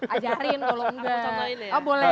ajarin kalau enggak